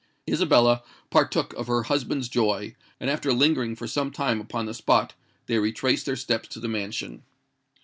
Isabella partook of her husband's joy; and after lingering for some time upon the spot, they retraced their steps to the mansion.